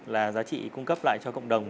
là giá trị cung cấp lại cho cộng đồng